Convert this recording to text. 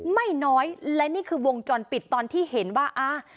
ไม่น้อยและนี่คือวงจรปิดตอนที่เห็นว่าอ่า